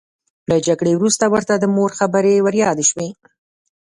له جګړې وروسته ورته د مور خبرې وریادې شوې